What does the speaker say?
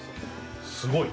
すごい。